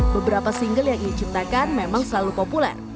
beberapa single yang ia ciptakan memang selalu populer